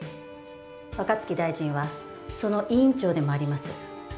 若槻大臣はその委員長でもあります。